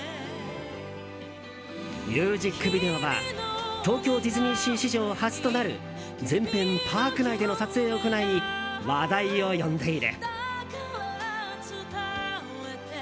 ミュージックビデオでは東京ディズニーシー史上初となる全編パーク内での撮影を行い話題を呼んでいる。